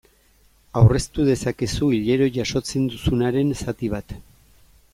Aurreztu dezakezu hilero jasotzen duzubaren zati bat.